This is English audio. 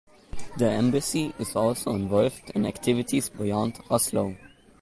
The Embassy is also involved in activities beyond Oslo.